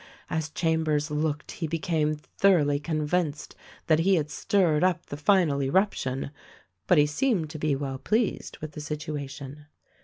As Chambers looked he became thoroughly convinced that he had stirred up the final erup tion ; but he seemed to be well pleased with the situation.